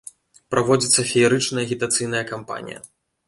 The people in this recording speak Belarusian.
Праводзіцца феерычная агітацыйная кампанія.